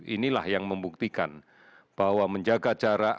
inilah yang membuktikan bahwa menjaga jarak